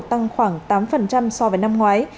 tăng khoảng tám so với năm ngoái